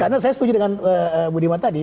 karena saya setuju dengan bu dima tadi